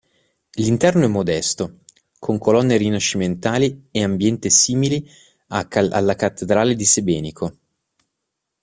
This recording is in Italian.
L'interno è modesto, con colonne rinascimentali e ambiente simili alla cattedrale di Sebenico.